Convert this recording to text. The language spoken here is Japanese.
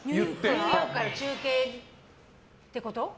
ニューヨークから中継ってこと？